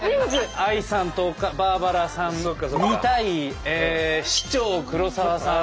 ＡＩさんとバーバラさんの２対市長黒沢さん